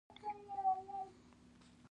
بدعتونو پورې غوټه کوي.